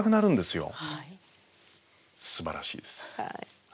すばらしいです。